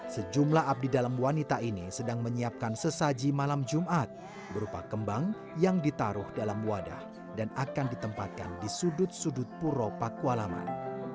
sejumlah abdi dalam wanita ini sedang menyiapkan sesaji malam jumat berupa kembang yang ditaruh dalam wadah dan akan ditempatkan di sudut sudut puro pakualaman